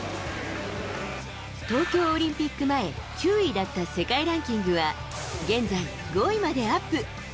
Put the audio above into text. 東京オリンピック前、９位だった世界ランキングは現在５位までアップ。